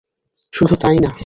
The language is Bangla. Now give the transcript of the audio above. শুধু তাই না।